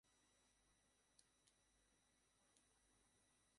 এখন গুপ্তহত্যা ঘটিয়ে তারা দেশে একটা অস্থিতিশীল পরিবেশ সৃষ্টি করতে চাইছে।